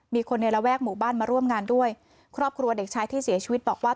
มีคนในระแวกหมู่บ้านมาร่วมงานด้วยครอบครัวเด็กชายที่เสียชีวิตบอกว่า